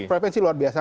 referensi luar biasa